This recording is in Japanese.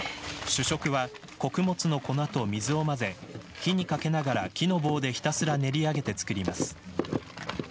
主食は、穀物の粉と水を混ぜ火にかけながら木の棒でひたすら練りあげて作ります。